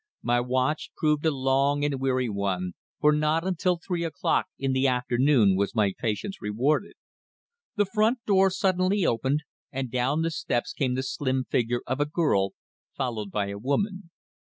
My watch proved a long and weary one, for not until three o'clock in the afternoon was my patience rewarded. The front door suddenly opened, and down the steps came the slim figure of a girl, followed by a woman.